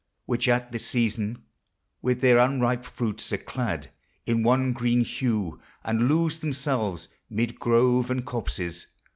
Which, at this season, with their anripe fruits, Are clad in one green hue, and lose themselves Mid groves and copses.